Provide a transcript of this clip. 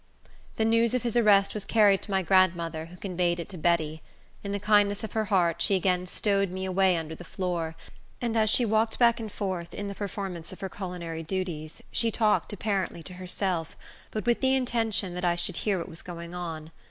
The news of his arrest was carried to my grandmother, who conveyed it to Betty. In the kindness of her heart, she again stowed me away under the floor; and as she walked back and forth, in the performance of her culinary duties, she talked apparently to herself, but with the intention that I should hear what was going on.